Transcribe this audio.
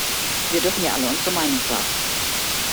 Wir dürfen ja alle unsere Meinung sagen.